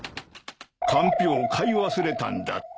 かんぴょうを買い忘れたんだって。